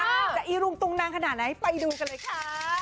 อันนี้จะอิรุงตรงนั่งขนาดไหนไปดูกันเลยค่ะ